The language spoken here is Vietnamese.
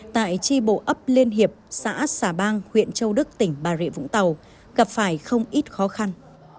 tại tri bộ ấp liên hiệp xã xà bang huyện châu đức tỉnh bà rịa vũng tàu gặp phải không ít khó khăn